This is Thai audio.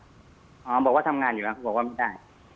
หมอบอกว่าทำงานอยู่แล้วเขาบอกว่าไม่ได้